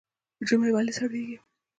ژمی ولې سړیږي؟